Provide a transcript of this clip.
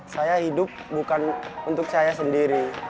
saya hidup bukan untuk saya sendiri